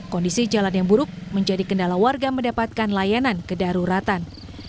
kondisi jalan yang buruk menjadi kendala warga mendapatkan layanan kedaruratan